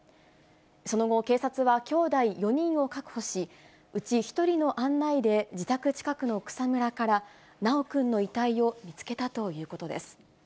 その後、警察はきょうだい４人を確保し、うち１人の案内で自宅近くの草むらから修くんの遺体を見つけたということです。